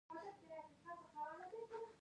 خوراک په ښي لاس کيږي